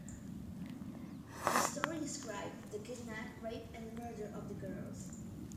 The story described the kidnap, rape and murder of the girls.